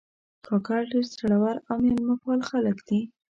کاکړ ډېر زړور او میلمهپال خلک لري.